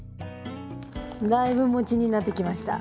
だいぶ餅になってきました。